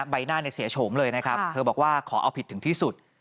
ใบหน้าเนี่ยเสียโฉมเลยนะครับเธอบอกว่าขอเอาผิดถึงที่สุด